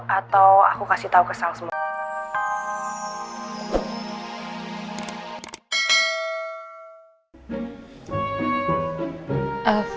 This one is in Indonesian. atau aku kasih tahu kesal semua